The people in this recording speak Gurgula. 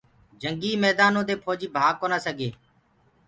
جنگي ميدآنو دي ڦوجي ڀآگ ڪونآ سگي